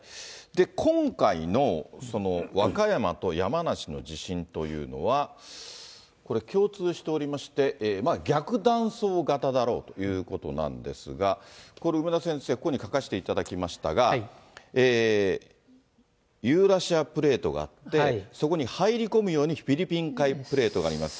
今回の和歌山と山梨の地震というのは、これ、共通しておりまして、逆断層型だろうということなんですが、これ、梅田先生、ここに書かせていただきましたが、ユーラシアプレートがあって、そこに入り込むようにフィリピン海プレートがあります。